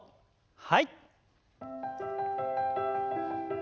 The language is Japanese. はい。